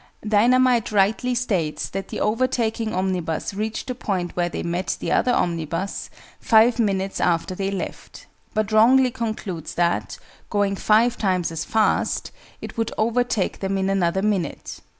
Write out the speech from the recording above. DINAH MITE rightly states that the overtaking omnibus reached the point where they met the other omnibus 5 minutes after they left, but wrongly concludes that, going 5 times as fast, it would overtake them in another minute.